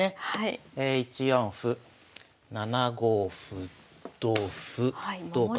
１四歩７五歩同歩同角。